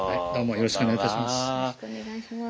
よろしくお願いします。